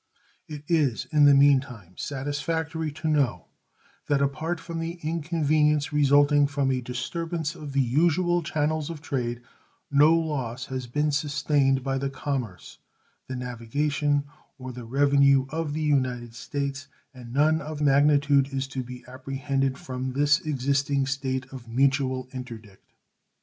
It is, in the mean time, satisfactory to know that apart from the inconvenience resulting from a disturbance of the usual channels of trade no loss has been sustained by the commerce, the navigation, or the revenue of the United States, and none of magnitude is to be apprehended from this existing state of mutual interdict.